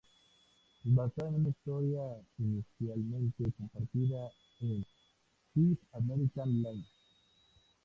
Basada en una historia inicialmente compartida en This American Life.